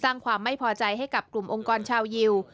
ความไม่พอใจให้กับกลุ่มองค์กรชาวยิว